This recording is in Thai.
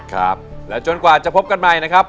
ครับแล้วจนกว่าจะพบกันใหม่นะครับ